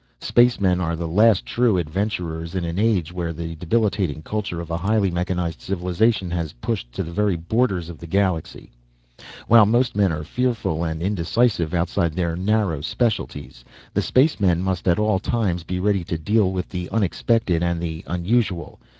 Spacemen are the last true adventurers in an age where the debilitating culture of a highly mechanized civilization has pushed to the very borders of the galaxy. While most men are fearful and indecisive outside their narrow specialties the spacemen must at all times be ready to deal with the unexpected and the unusual.